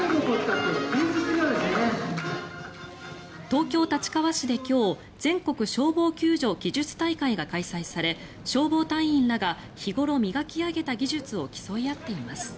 東京・立川市で今日全国消防救助技術大会が開催され消防隊員らが日頃、磨き上げた技術を競い合っています。